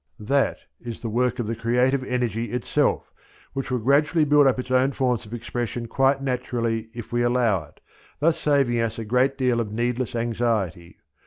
That is the work of the creative energy itself, which will build up its own forms of expression quite naturally if we allow it, thus saving us a great deal of needless anxiety.